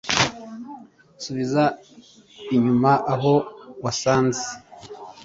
Subiza inyuma aho wasanze.